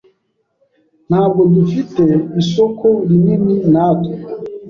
ntabwo dufite isoko rinini natwe .